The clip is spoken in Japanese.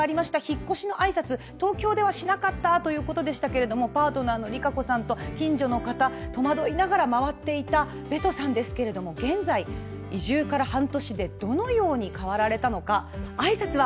引っ越しの挨拶、東京出はしなかったということでしたがパートナーのりかこさんと近所の方、戸惑いながら回っていた、ベトさんですけれども現在、移住から半年でどのように変わられたのか。